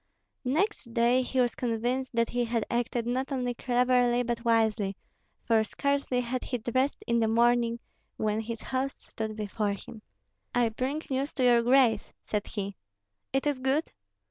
Next day he was convinced that he had acted not only cleverly but wisely, for scarcely had he dressed in the morning, when his host stood before him. "I bring news to your grace," said he. "It is good?"